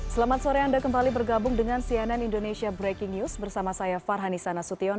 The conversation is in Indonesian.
selamat sore anda kembali bergabung dengan cnn indonesia breaking news bersama saya farhanisa nasution